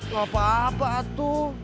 gak apa apa atu